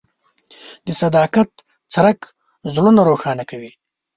د صداقت څرک زړونه روښانه کوي.